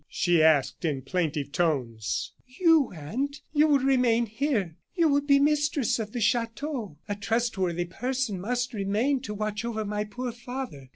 she asked, in plaintive tones. "You, aunt! You will remain here; you will be mistress of the chateau. A trustworthy person must remain to watch over my poor father.